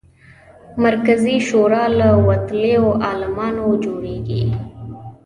مرکزي شورا له وتلیو عالمانو جوړېږي.